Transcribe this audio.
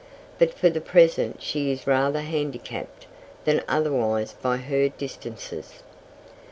But for the present she is rather handicapped than otherwise by her distances.